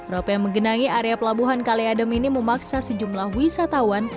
rop yang menggenangi area pelabuhan kaliadem ini memaksa sejumlah wisatawan